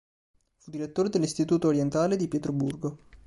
Fu direttore dell'Istituto Orientale di Pietroburgo.